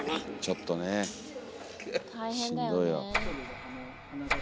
ちょっとねしんどいよ。